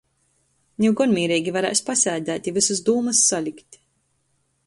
Niu gon mīreigi varēs pasēdēt i vysys dūmys salikt.